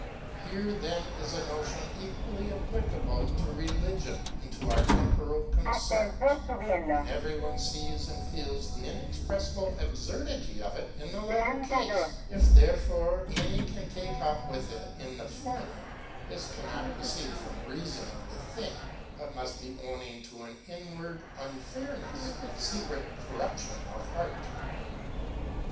Here, then, is a notion equally applicable to re ligion and to our temporal concerns ; and every one sees and feels the inexpressible absurdity of it in the latter case ; if, therefore, any can take up with it in the former, this cannot proceed from the reason of the thing, but must be owning to an inward unfairness, and secret cor ruption of heart.